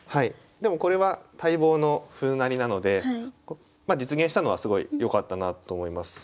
でもこれは待望の歩成りなのでまあ実現したのはすごいよかったなと思います。